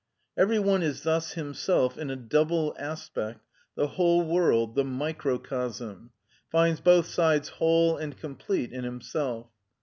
Every one is thus himself in a double aspect the whole world, the microcosm; finds both sides whole and complete in himself.